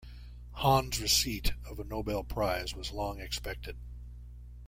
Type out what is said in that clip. Hahn's receipt of a Nobel Prize was long expected.